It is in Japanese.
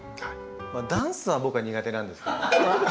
ダンスは僕は苦手なんですけど。